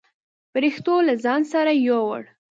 پرښتو له ځان سره يووړ.